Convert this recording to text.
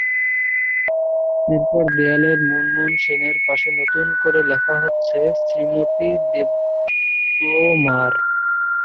এরপর দেয়ালে মুনমুন সেনের পাশে নতুন করে লেখা হচ্ছে শ্রীমতী দেববর্মা।